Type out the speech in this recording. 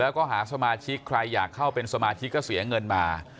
แล้วก็หาสมาชิกใครอยากเข้าเป็นสมาชิกก็เสียเงินมา